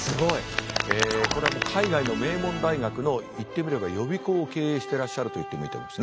これは海外の名門大学の言ってみれば予備校を経営してらっしゃると言ってもいいと思いますね。